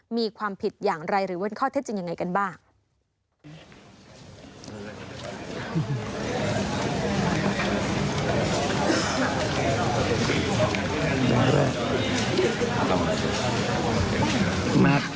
มีความผิดอย่างไรหรือเว้นข้อเท็จจริงยังไงกันบ้าง